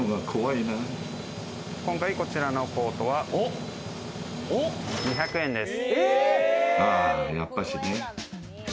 今回こちらのコートは２００円です。